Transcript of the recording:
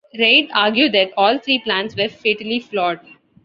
Reid argued that all three plans were fatally flawed.